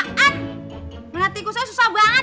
nggak ada tikusnya susah banget